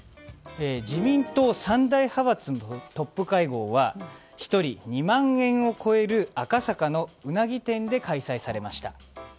自民党三大派閥のトップ会合は１人２万円を超える赤坂のうなぎ店で開催されました。